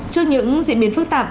trước những diễn biến phức tạp